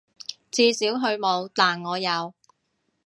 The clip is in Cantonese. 至少佢冇，但我有